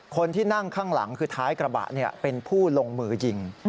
คนที่นั่งข้างหลังคือท้ายกระบะเป็นผู้ลงมือยิง